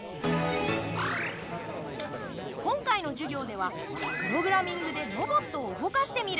今回の授業ではプログラミングでロボットを動かしてみる。